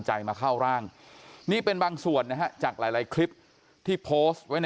ใจมาเข้าร่างนี่เป็นบางส่วนนะฮะจากหลายคลิปที่โพสต์ไว้ใน